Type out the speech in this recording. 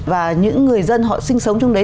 và những người dân họ sinh sống trong đấy